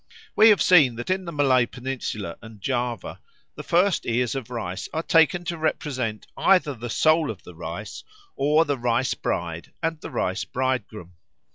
We have seen that in the Malay Peninsula and Java the first ears of rice are taken to represent either the Soul of the Rice or the Rice bride and the Rice bridegroom.